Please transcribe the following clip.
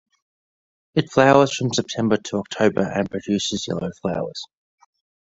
It flowers from September to October and produces yellow flowers.